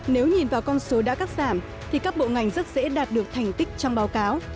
nếu nhìn vào con số đã cắt giảm thì các bộ ngành rất dễ đạt được thành tích trong báo cáo